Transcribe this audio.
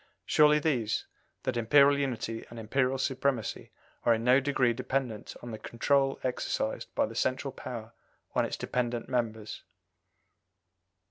Surely these: that Imperial unity and Imperial supremacy are in no degree dependent on the control exercised by the central power on its dependent members."